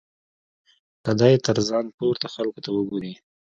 که دی تر ځان پورته خلکو ته وګوري.